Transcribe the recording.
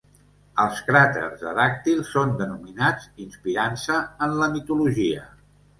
Els cràters de Dàctil són denominats inspirant-se en la mitologia.